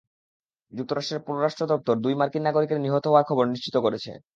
যুক্তরাষ্ট্রের পররাষ্ট্র দপ্তর দুই মার্কিন নাগরিকের নিহত হওয়ার খবর নিশ্চিত করেছে।